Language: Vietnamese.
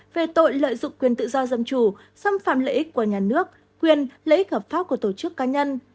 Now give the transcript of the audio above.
về tội lợi dụng quyền tự do dân chủ xâm phạm lợi ích của nhà nước quyền lợi ích hợp pháp của tổ chức cá nhân